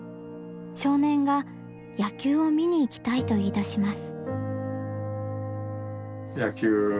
少年が「野球を観に行きたい」と言い出します。